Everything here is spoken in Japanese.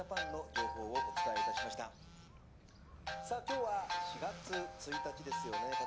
さあ今日は４月１日ですよね？